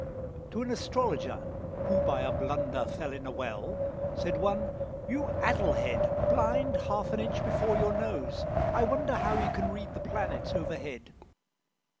To an Astrologer, who by a blunder Fell in a well, said one, "You addle head, Blind half an inch before your nose, I wonder How you can read the planets overhead."